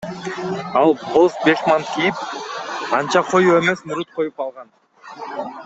Ал боз бешмант кийип, анча коюу эмес мурут коюп алган.